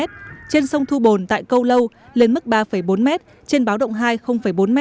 trên sông thu bồn tại câu lâu lên mức ba bốn m trên báo động hai bốn m